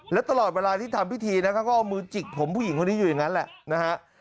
และตลอดเวลาที่ทำพิธีนะครับก็เอามือจิกผมผู้หญิงคนนี้อยู่อย่างนั้นแหละนะฮะ